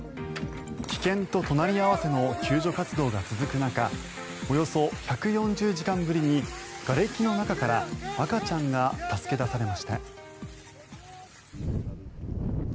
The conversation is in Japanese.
危険と隣り合わせの救助活動が続く中およそ１４０時間ぶりにがれきの中から赤ちゃんが助け出されました。